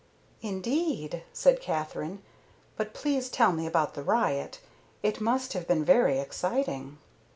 "Indeed?" said Katherine. "But please tell me about the riot. It must have been very exciting."